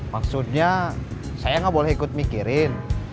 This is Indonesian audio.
maksudnya saya nggak boleh ikut mikirin